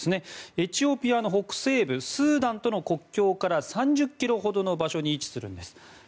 エチオピアの北西部スーダンとの国境から３０ｋｍほどの場所に位置するんです。